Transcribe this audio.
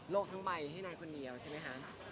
กทั้งใบให้นายคนเดียวใช่ไหมคะ